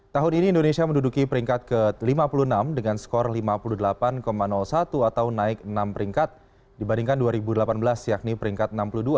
tahun ini indonesia menduduki peringkat ke lima puluh enam dengan skor lima puluh delapan satu atau naik enam peringkat dibandingkan dua ribu delapan belas yakni peringkat enam puluh dua